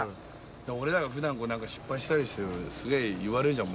俺らが普段こう何か失敗したりしたらすげえ言われるじゃん